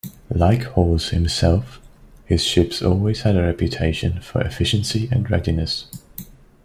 Like Hawes himself, his ships always had a reputation for efficiency and readiness.